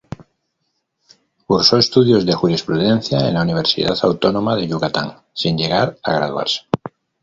Cursó estudios de jurisprudencia en la Universidad Autónoma de Yucatán, sin llegar a graduarse.